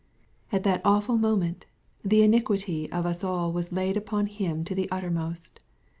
At that awlul moment, the ini quity of us all was laid upon Him to the uttermost.